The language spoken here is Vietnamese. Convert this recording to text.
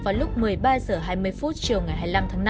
vào lúc một mươi ba h hai mươi chiều ngày hai mươi năm tháng năm